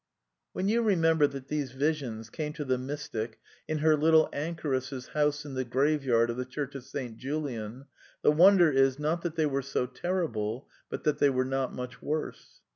(Ibid. pp. 160, 161.) 256 A DEFENCE OF IDEALISM When you remember that these visions came to the mys tic in her little anchoress's house in the graveyard of tiie church of St. Julian, the wonder is, not that they were so terrible but that they were not much worse.